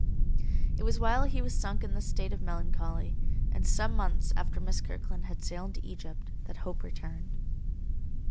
It was while he was sunk in this state of melancholy, and some months after Miss Kirkland had sailed to Egypt, that hope returned.